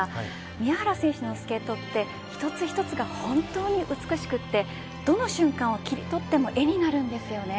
宮原選手のスケートって一つ一つが本当に美しくてどの瞬間を切り取っても絵になるんですよね。